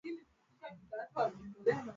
kiazi lishe chenye nyuzi hakina ubora sokoni